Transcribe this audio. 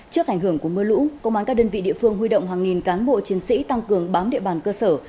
trước ảnh hưởng của mưa lũ công an các đơn vị địa phương huy động hàng nghìn cán bộ chiến sĩ tăng cường bám địa bàn cơ sở